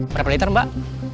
berapa liter mbak